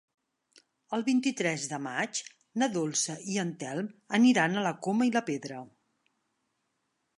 El vint-i-tres de maig na Dolça i en Telm aniran a la Coma i la Pedra.